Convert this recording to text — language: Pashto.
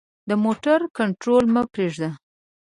د موټر کنټرول مه پریږده.